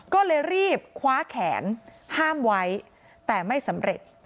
ก็เลยรีบคว้าแขนห้ามไว้แต่ไม่สำเร็จ